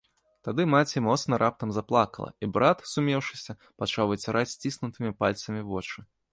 Тады маці моцна раптам заплакала, і брат, сумеўшыся, пачаў выціраць сціснутымі пальцамі вочы.